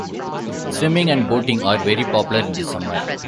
Swimming and boating are very popular in the summer.